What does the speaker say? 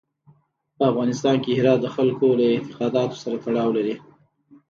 په افغانستان کې هرات د خلکو له اعتقاداتو سره تړاو لري.